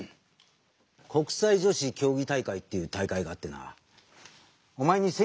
国際女子競技大会っていう大会があってな。